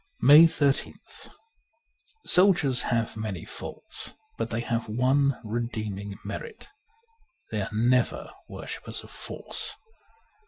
^ 144 MAY 13th SOLDIERS have many faults, but they have one redeeming merit : they are never worshippers of Force.